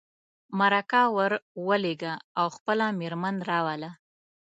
مرکه ور ولېږه او خپله مېرمن راوله.